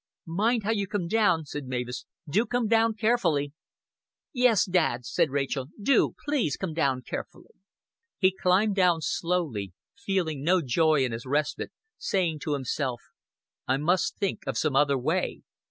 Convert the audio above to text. "Mind how you come down," said Mavis. "Do come down carefully." "Yes, dads," said Rachel, "do please come down carefully." He climbed down slowly, feeling no joy in his respite, saying to himself: "I must think of some other way.